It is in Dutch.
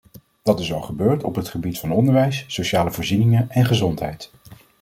Dat is al gebeurd op het gebied van onderwijs, sociale voorzieningen en gezondheid.